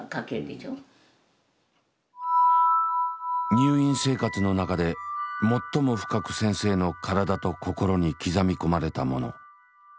入院生活の中で最も深く先生の体と心に刻み込まれたもの。